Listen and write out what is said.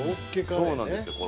そうなんですよ。